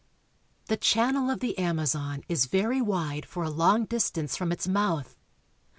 The channel of the Amazon is very wide for a long dis tance from its mouth.